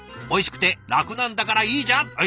おいしくて楽なんだからいいじゃん！」。